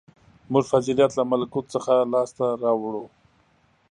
• موږ فضیلت له ملکوت څخه لاسته راوړو.